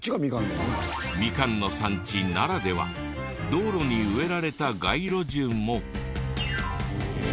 ミカンの産地ならでは道路に植えられた街路樹も。え？